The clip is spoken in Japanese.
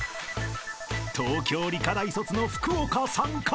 ［東京理科大卒の福岡さんか？